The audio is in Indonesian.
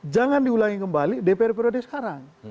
jangan diulangi kembali dpr periode sekarang